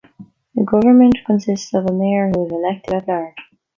The government consists of a mayor who is elected at large.